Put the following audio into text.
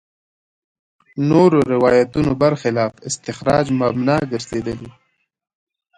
نورو روایتونو برخلاف استخراج مبنا ګرځېدلي.